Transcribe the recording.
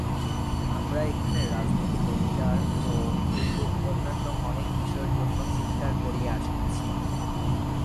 আমরা এখানে রাজনীতিক অধিকার ও এইরূপ অন্যান্য অনেক বিষয়ের জন্য চীৎকার করিয়া আসিতেছি।